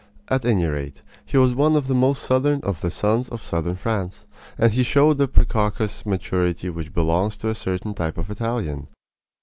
At any rate, he was one of the most southern of the sons of southern France, and he showed the precocious maturity which belongs to a certain type of Italian.